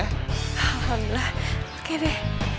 alhamdulillah oke deh